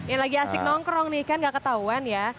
yang lagi asik nongkrong nih kan gak ketahuan ya